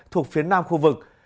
thuộc phía nam khu vực